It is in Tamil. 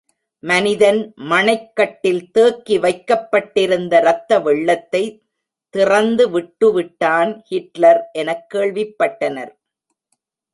மனிதன் மணைக்கட்டில் தேக்கி வைக்கப்பட்டிருந்த ரத்த வெள்ளத்தை திறந்து விடட்டுவிட்டான் ஹிட்லர் எனக் கேள்விப்பட்டனர்.